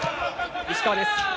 石川です。